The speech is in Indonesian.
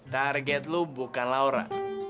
target lo bukan laura